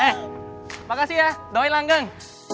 eh makasih ya doain langgang